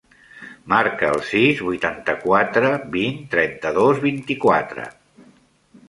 Marca el sis, vuitanta-quatre, vint, trenta-dos, vint-i-quatre.